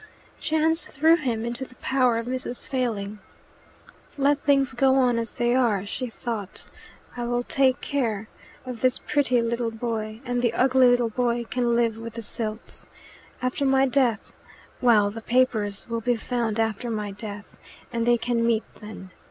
Chance threw him into the power of Mrs. Failing. "Let things go on as they are," she thought. "I will take care of this pretty little boy, and the ugly little boy can live with the Silts. After my death well, the papers will be found after my death, and they can meet then.